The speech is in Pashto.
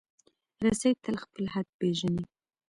رسۍ تل خپل حد پېژني.